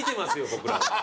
僕ら。